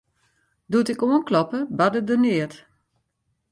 Doe't ik oankloppe, barde der neat.